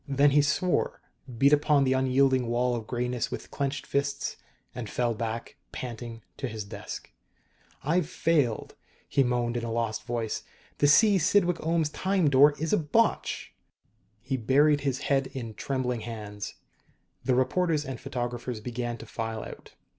Then he swore, beat upon the unyielding wall of grayness with clenched fists, and fell back, panting, to his desk. "I've failed!" he moaned in a lost voice. "The C. Cydwick Ohms Time Door is a botch!" He buried his head in trembling hands. The reporters and photographers began to file out.